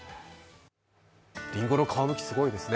りんごの皮むき、すごいですね。